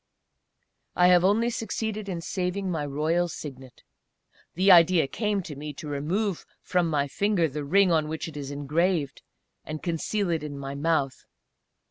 I have only succeeded in saving my royal Signet. The idea came to me to remove from my finger the ring on which it is engraved, and conceal it in my mouth.